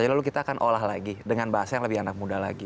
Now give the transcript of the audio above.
lalu kita akan olah lagi dengan bahasa yang lebih anak muda lagi